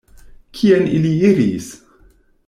Kien ili iris?